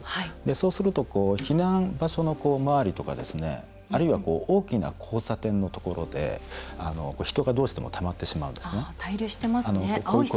そうすると避難場所の周りとかあるいは大きな交差点のところで人が、どうしてもたまってしまうんですね。